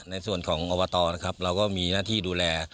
ในส่วนของอบตนะครับเราก็มีหน้าที่ดูแล